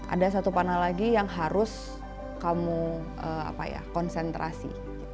ada satu panah lagi yang harus kamu konsentrasi